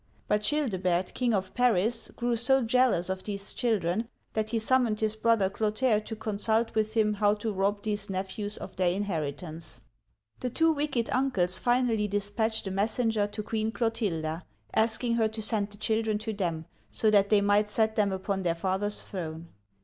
But Chil' debert, king of Paris, grew so jealous of these children that he summoned his brother Clotaire' to consult with him how to rob these nephews of their inheritance. The two wicked uncles finally dispatched a messenger to Queen Clotilda, asking her to send the children to them, so that they might set them upon their father's throne.